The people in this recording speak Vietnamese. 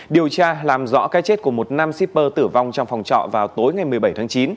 điều tra làm rõ cái chết của một nam shipper tử vong trong phòng trọ vào tối ngày một mươi bảy tháng chín